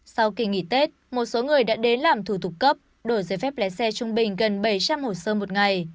sau kỳ nghỉ tết một số người đã đến làm thủ tục cấp đổi giấy phép lái xe trung bình gần bảy trăm linh hồ sơ một ngày